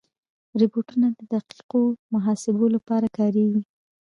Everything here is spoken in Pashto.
روبوټونه د دقیقو محاسبو لپاره کارېږي.